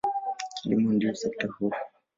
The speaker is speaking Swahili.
Kilimo ndiyo sekta kuu.